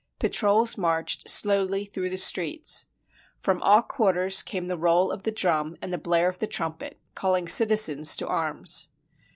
Patrols marched slowly through the streets. From all quarters came the roll of the drum and the blare of the trumpet, calling citizens to arms.